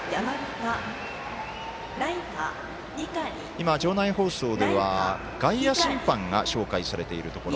今、場内放送では外野審判が紹介されているところ。